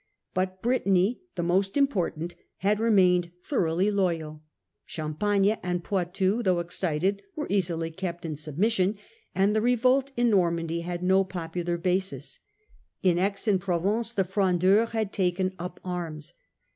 But Britanny, the most important, had remained thoroughly loyal ; Champagne and Poitou, though excited, were easily kept in sub mission and the revolt in Normandy had no popular 1649. End of the Twelve Weeks' War . 47 basis. In Aix in Provence the Frondeurs had taken up arms.